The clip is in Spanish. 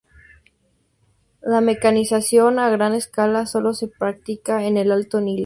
La mecanización a gran escala solo se practica en el Alto Nilo.